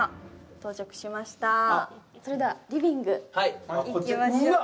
それではリビングへ行きましょうか。